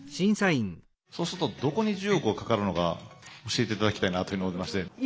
そうするとどこに１０億がかかるのか教えて頂きたいなというのありまして。